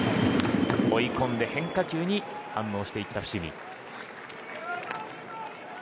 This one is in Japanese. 追い込んで変化球に反応していった伏見。